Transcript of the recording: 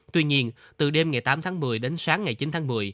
tuy nhiên từ đêm ngày tám tháng một mươi đến sáng ngày chín tháng một mươi